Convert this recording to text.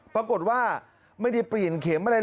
ปรากฏว่าไม่ได้เปลี่ยนเข็มอะไร